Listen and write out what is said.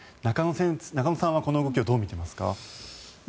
中野さんはこの動きをどう見ていますか？